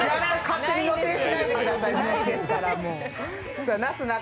勝手に予定しないでください、ないですから。